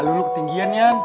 eh lo ke tinggi an yan